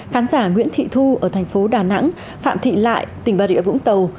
khán giả nguyễn thị thu ở thành phố đà nẵng phạm thị lại tỉnh bà rịa vũng tàu